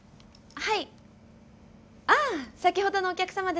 はい。